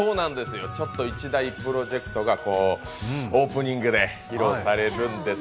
一大プロジェクトがオープニングで披露されます。